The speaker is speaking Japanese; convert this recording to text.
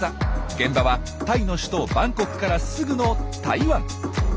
現場はタイの首都バンコクからすぐのタイ湾。